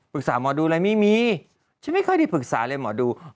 หมอดูอะไรไม่มีฉันไม่ค่อยได้ปรึกษาเลยหมอดู